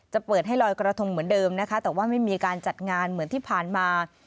เปิดให้ลอยกระทงเหมือนเดิมนะคะแต่ว่าไม่มีการจัดงานเหมือนที่ผ่านมา